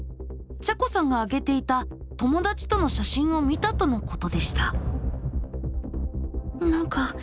ちゃこさんが上げていた友だちとの写真を見たとのことでした。